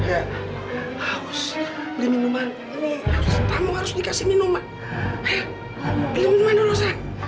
abang kita disini moments